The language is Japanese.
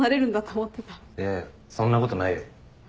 いやそんなことないよ。